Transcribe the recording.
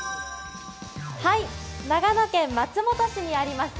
長野県松本市にあります